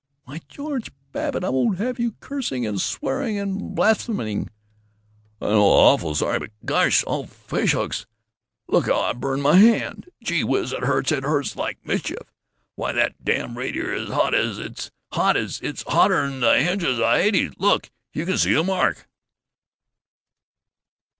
"Why, George Babbitt, I won't have you cursing and swearing and blaspheming!" "I know, awful sorry but Gosh all fish hooks, look how I burned my hand! Gee whiz, it hurts! It hurts like the mischief! Why, that damn radiator is hot as it's hot as it's hotter 'n the hinges of Hades! Look! You can see the mark!"